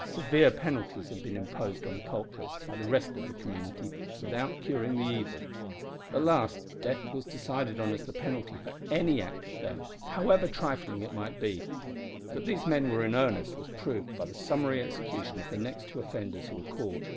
Severe penalties had been imposed on the culprits by the rest of the community without curing the evil. At last death was decided on as the penalty for any act of theft, however trifling it might be. That these men were in earnest was proved by the summary execution of the next two offenders who were caught.